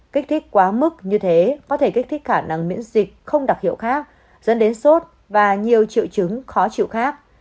kích thích quá mức như thế có thể kích thích khả năng miễn dịch không đặc hiệu khác dẫn đến sốt và nhiều triệu chứng khó chịu khác